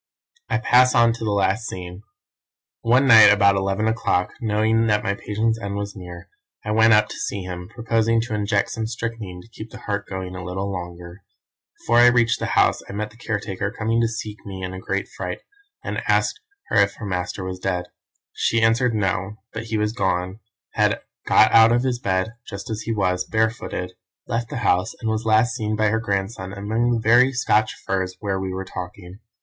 "I pass on to the last scene. One night about eleven o'clock, knowing that my patient's end was near, I went up to see him, proposing to inject some strychnine to keep the heart going a little longer. Before I reached the house I met the caretaker coming to seek me in a great fright, and asked her if her master was dead. She answered No; but he was gone had got out of bed and, just as he was, barefooted, left the house, and was last seen by her grandson among the very Scotch firs where we were talking.